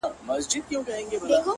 • د غزلونو قصیدو ښکلي ښاغلي عطر ,